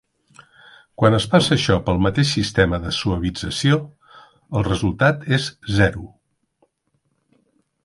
Quan es passa això pel mateix sistema de suavització, el resultat és zero.